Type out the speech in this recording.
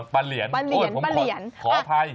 ปะเหลียนปะเหลียนปะเหลียนขออภัย